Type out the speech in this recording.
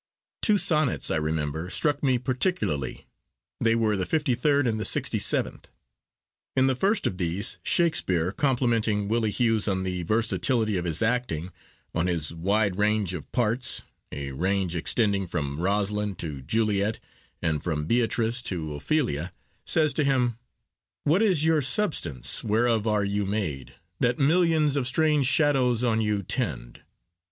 Two sonnets, I remember, struck me particularly: they were the 53rd and the 67th. In the first of these, Shakespeare, complimenting Willie Hughes on the versatility of his acting, on his wide range of parts, a range extending from Rosalind to Juliet, and from Beatrice to Ophelia, says to him— What is your substance, whereof are you made, That millions of strange shadows on you tend?